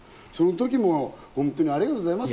その時も本当にありがとうございます。